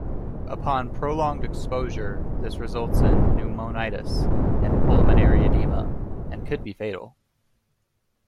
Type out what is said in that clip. Upon prolonged exposure, this results in pneumonitis and pulmonary edema, and could be fatal.